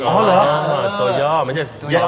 อ๋อเหรอตัวย่อไม่ใช่ย่อ